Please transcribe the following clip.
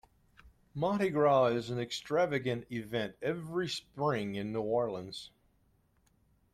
Mardi Gras is an extravagant event every spring in New Orleans.